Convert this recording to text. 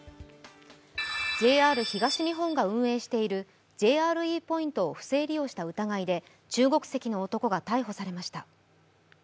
ＪＲ東日本が運営しているＪＲＥポイントを不正利用した疑いで中国籍の男が逮捕されました。